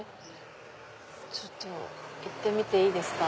ちょっと行ってみていいですか？